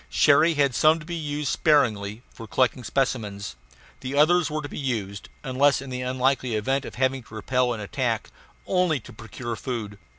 Cherrie had some to be used sparingly for collecting specimens. The others were to be used unless in the unlikely event of having to repel an attack only to procure food.